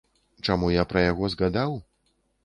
Чаму я пра яго згадаў?